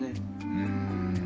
うん。